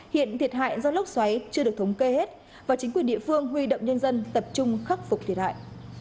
hiện thiệt hại do lốc xoáy chưa được thống kê hết và chính quyền địa phương huy động nhân dân tập trung khắc phục thiệt hại